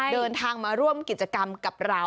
เดินทางมาร่วมกิจกรรมกับเรา